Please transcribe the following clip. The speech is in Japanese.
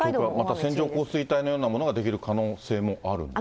また線状降水帯のようなものが出来る可能性もあるんですか？